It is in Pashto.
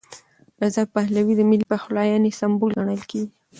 رضا پهلوي د ملي پخلاینې سمبول ګڼل کېږي.